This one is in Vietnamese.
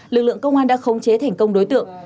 lực lượng công an đã khống chế thành công đối tượng